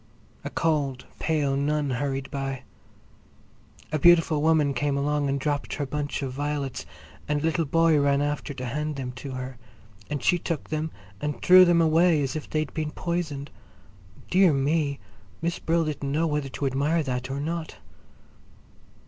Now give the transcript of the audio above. A cold, pale nun hurried by. A beautiful woman came along and dropped her bunch of violets, and a little boy ran after to hand them to her, and she took them and threw them away as if they'd been poisoned. Dear me! Miss Brill didn't know whether to admire that or not!